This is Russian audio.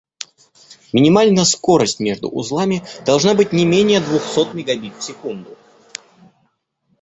Минимально скорость между узлами должна быть не менее двухсот мегабит в секунду